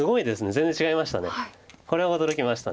これは驚きました。